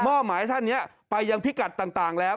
หมายท่านนี้ไปยังพิกัดต่างแล้ว